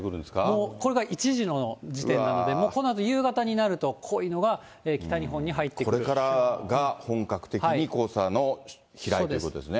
もうこれが１時の時点なので、このあと夕方になると、濃いのがこれからが本格的に黄砂の飛来ということですね。